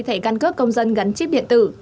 thẻ căn cứ công dân gắn chip điện tử